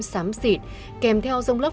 sám xịt kèm theo rông lớp